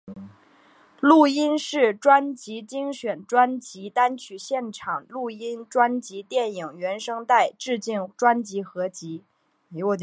录音室专辑精选专辑单曲现场录音专辑电影原声带致敬专辑合辑